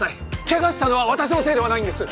怪我したのは私のせいではないんです！